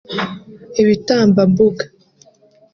ibitambambuga